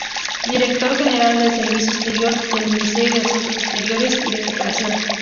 Director General del Servicio Exterior, del Ministerio de Asuntos Exteriores y de Cooperación.